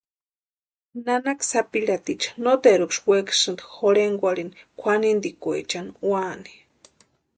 Nanaka sapirhaticha noteruksï wekasinti jorhekwarhini kwʼanintikwechani úani.